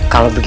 kamu noak bagi